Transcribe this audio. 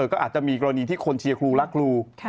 ก็อาจจะมีกรณีที่คนเชียร์ครูรักครู